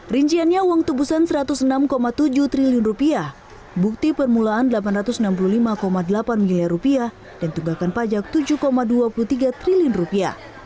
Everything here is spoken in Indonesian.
rinciannya uang tubusan satu ratus enam tujuh triliun rupiah bukti permulaan rp delapan ratus enam puluh lima delapan miliar rupiah dan tunggakan pajak tujuh dua puluh tiga triliun rupiah